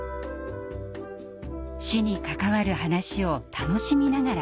死に関わる話を楽しみながら語り合う。